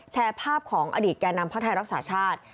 แชร์ภาพของอดีตแก่นำพักไทยรักษาชาติ